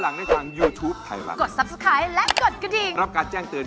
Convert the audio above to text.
ร้องได้ให้ล้าง